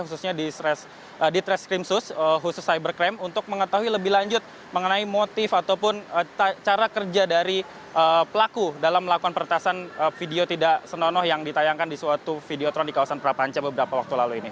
khususnya di treskrimsus khusus cybercrime untuk mengetahui lebih lanjut mengenai motif ataupun cara kerja dari pelaku dalam melakukan peretasan video tidak senonoh yang ditayangkan di suatu videotron di kawasan prapanca beberapa waktu lalu ini